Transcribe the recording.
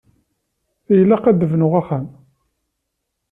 Ilaq ad d-bnuɣ axxam.